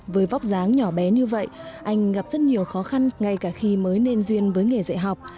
với vóc dáng nhỏ bé như vậy anh gặp rất nhiều khó khăn ngay cả khi mới nên duyên với nghề dạy học